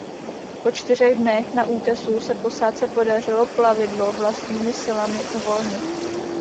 Po čtyřech dnech na útesu se posádce podařilo plavidlo vlastními silami uvolnit.